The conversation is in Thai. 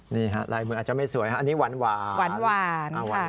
นี่ฮะลายมืออาจจะไม่สวยฮะอันนี้หวานหวาน